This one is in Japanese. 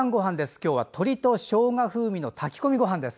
今日は鶏としょうが風味の炊き込みご飯です。